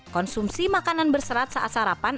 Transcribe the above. konsumsi makanan berserat saat sarapan